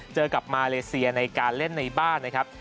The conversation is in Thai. เจอกับมาเลเซียในการเล่นในบ้านนะครับ